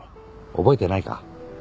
覚えてないか？